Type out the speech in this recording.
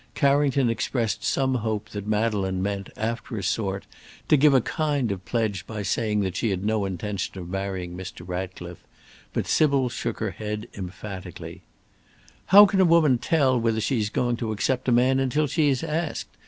Carrington expressed some hope that Madeleine meant, after a sort, to give a kind of pledge by saying that she had no intention of marrying Mr. Ratcliffe, but Sybil shook her head emphatically: "How can a woman tell whether she is going to accept a man until she is asked?"